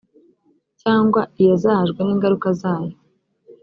cyangwa iyazahajwe n ingaruka zayo